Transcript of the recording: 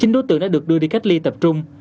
chín đối tượng đã được đưa đi cách ly tập trung